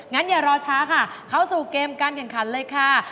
อย่ารอช้าค่ะเข้าสู่เกมการแข่งขันเลยค่ะ